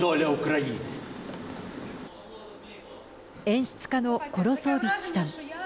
演出家のコロソービッチさん。